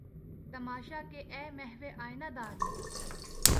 تماشا کہ اے محوِ آئینہ داری!